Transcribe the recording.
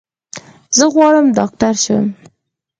زه غواړم ډاکټر شم.